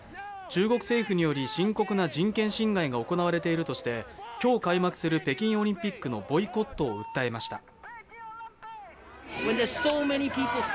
中国政府により深刻な人権侵害が行われているとして、今日開幕する北京オリンピックのボイコットを訴えました。